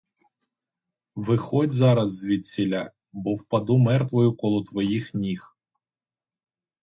Виходь зараз звідсіля, бо впаду мертвою коло твоїх ніг.